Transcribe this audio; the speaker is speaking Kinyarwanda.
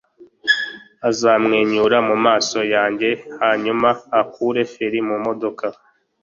uzamwenyura mumaso yanjye hanyuma ukure feri mumodoka